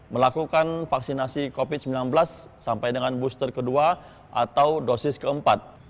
melakukan vaksinasi covid sembilan belas sampai dengan booster kedua atau dosis keempat